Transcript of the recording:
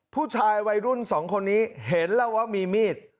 ผู้ชายวัยรุ่นสองคนนี้เห็นแล้วว่ามีมีด